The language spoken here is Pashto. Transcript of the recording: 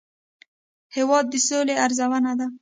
هېواد د سولې ارزو ده.